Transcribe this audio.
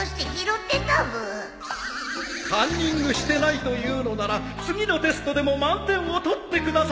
カンニングしてないと言うのなら次のテストでも満点を取ってください